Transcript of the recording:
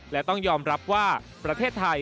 และต้องยอมรับว่าประเทศไทย